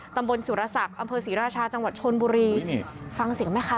ตำบลสุรศักดิ์อำเภอศรีราชาจังหวัดชนบุรีนี่ฟังเสียงไหมคะ